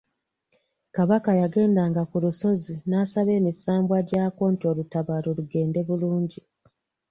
Kabaka yagendanga ku lusozi n’asaba emisambwa gyakwo nti olutabaalo lugende bulungi.